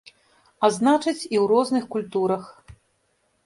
А значыць, і ў розных культурах.